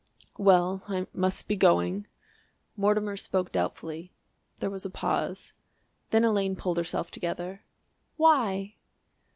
"Well, I must be going." Mortimer spoke doubtfully. There was a pause. Then Elaine pulled herself together. "Why?"